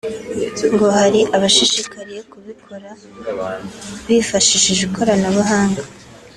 ngo hari abashishikariye kubikora bifashishije ikoranabuanga